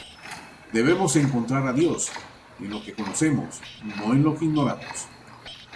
Debemos encontrar a Dios en lo que conocemos, no en lo que ignoramos".